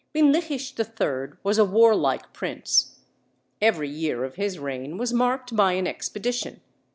Binlikhish III was a warlike prince; every year of his reign was marked by an expedition.